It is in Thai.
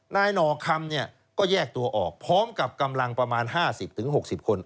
นายหน่อคำเนี่ยก็แยกตัวออกพร้อมกับกำลังประมาณห้าสิบถึงหกสิบคน